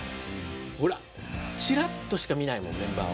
ほらチラッとしか見ないもんメンバーを。